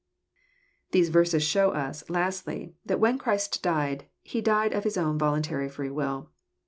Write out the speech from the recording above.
These verses show us, lastly, that when Christ died^ He died of Hie own voluntary free will.